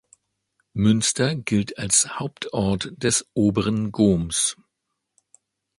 Münster gilt als Hauptort des oberen Goms.